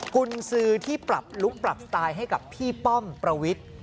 คุณซื้อที่ปรับลุคปรับสไตล์ให้กับพี่ป้อมประวิทย์